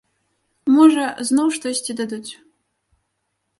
Можа, зноў штосьці дадуць.